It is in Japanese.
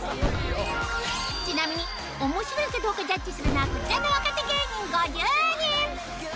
ちなみに面白いかどうかジャッジするのはこちらの若手芸人５０人